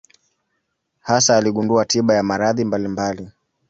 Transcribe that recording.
Hasa aligundua tiba ya maradhi mbalimbali.